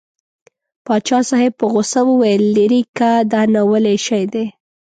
پاچا صاحب په غوسه وویل لېرې که دا ناولی شی دی.